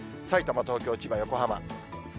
さいたま、東京、千葉、横浜。